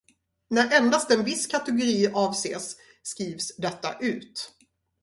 När endast en viss kategori avses skrivs detta ut.